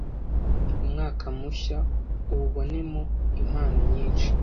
umwaka mushya uwubonemo impano nyinshi